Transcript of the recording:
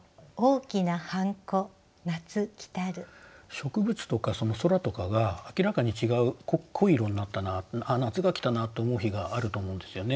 植物とか空とかが明らかに違う濃い色になったな夏が来たなと思う日があると思うんですよね。